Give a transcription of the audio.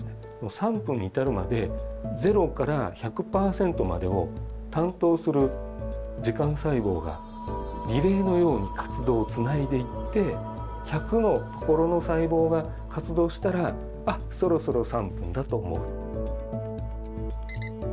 ３分に至るまでゼロから１００％までを担当する時間細胞がリレーのように活動をつないでいって１００のところの細胞が活動したら「あっそろそろ３分だ」と思う。